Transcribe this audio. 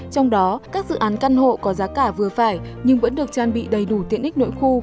trong đó các dự án căn hộ có giá cả vừa phải nhưng vẫn được trang bị đầy đủ tiện ích nội khu